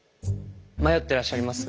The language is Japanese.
迷ってらっしゃいます？